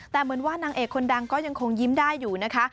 แต่เหมือนว่านางเอกคนดังก็ยังคงยิ้มได้อยู่นะคะ